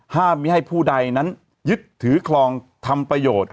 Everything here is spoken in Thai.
ห้ามไม่ให้ผู้ใดนั้นยึดถือคลองทำประโยชน์